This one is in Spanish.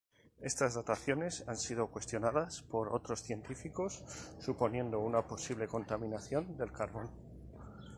Estas dataciones han sido cuestionadas por otros científicos, suponiendo una posible contaminación del carbón.